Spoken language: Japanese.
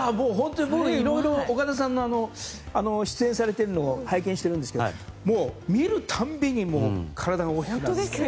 僕はいろいろ岡田さんが出演されているのを拝見しているんですけど見る度に体が大きくなってて。